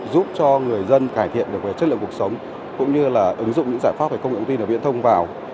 giúp cho người dân cải thiện được về chất lượng cuộc sống cũng như là ứng dụng những giải pháp về công nghệ thông tin ở viễn thông vào